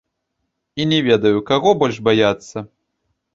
І не ведаю, каго больш баяцца.